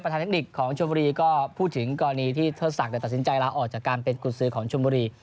ประธานเทคนิคของชนบุรีก็พูดถึงก่อนนี้ที่เทศศักดิ์จะตัดสินใจแล้วออกจากการเป็นกุญสือของชนบุรี